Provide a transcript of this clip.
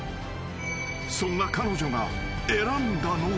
［そんな彼女が選んだのは］